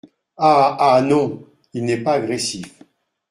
Ah ! ah ! non, il n’est pas agressif !…